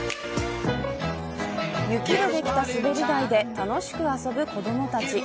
雪でできたすべり台で楽しく遊ぶ子どもたち。